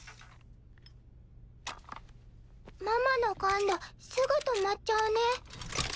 ママのＧＵＮＤすぐ止まっちゃうね。